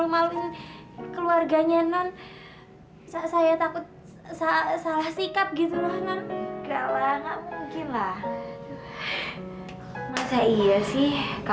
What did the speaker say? jadi gak ada yang khawatirin lagi ya